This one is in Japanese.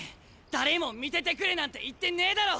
誰も見ててくれなんて言ってねえだろ！